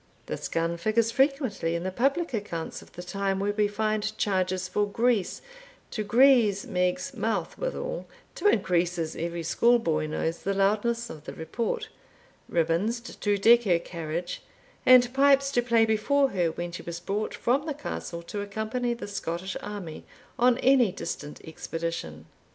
This gun figures frequently in the public accounts of the time, where we find charges for grease, to grease Meg's mouth withal (to increase, as every schoolboy knows, the loudness of the report), ribands to deck her carriage, and pipes to play before her when she was brought from the Castle to accompany the Scottish army on any distant expedition.